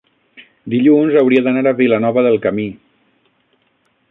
dilluns hauria d'anar a Vilanova del Camí.